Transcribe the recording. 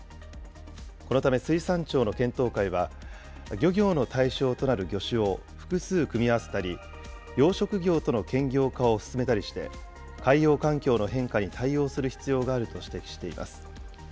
このため、水産庁の検討会は漁業の対象となる魚種を複数組み合わせたり、養殖業との兼業化を進めたりして、海洋環境の変化に対応する必要があると指摘しています。